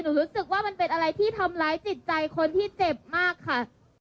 รู้สึกว่ามันเป็นอะไรที่ทำร้ายจิตใจคนที่เจ็บมากค่ะ